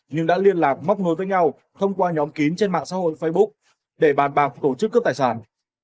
nhưng đã liên lạc móc nối với nhau thông qua nhóm kín trên mạng xã hội facebook để bàn bạc tổ chức cướp tài sản